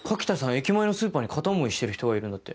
駅前のスーパーに片思いしてる人がいるんだって。